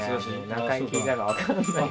何回聴いたか分からない。